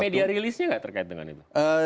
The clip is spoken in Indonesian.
media rilisnya nggak terkait dengan itu